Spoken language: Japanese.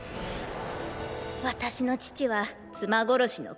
私の父は妻殺しのクズ。